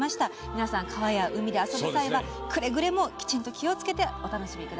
皆さん、川や海で遊ぶ際はくれぐれも、きちんと気をつけてお願いします。